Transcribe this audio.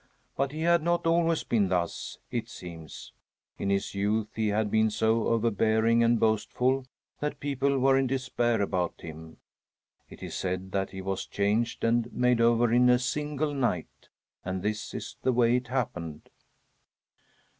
But he had not always been thus, it seems. In his youth he had been so overbearing and boastful that people were in despair about him. It is said that he was changed and made over in a single night, and this is the way it happened.